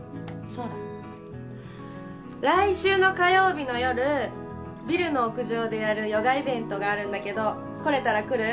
そうだ来週の火曜日の夜ビルの屋上でやるヨガイベントがあるんだけど来れたら来る？